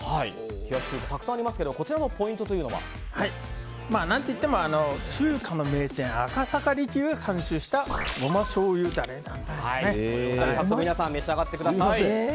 冷やし中華たくさんありますがこちらのポイントというのは？何といっても中華の名店赤坂璃宮が監修した皆さん、召し上がってください。